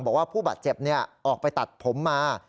บอกว่าผู้บาดเจ็บออกไปตัดผมมา